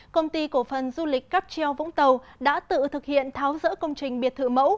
công ty cổ phần du lịch cáp treo vũng tàu đã tự thực hiện tháo rỡ công trình biệt thự mẫu